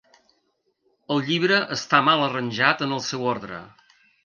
El llibre està mal arranjat en el seu ordre.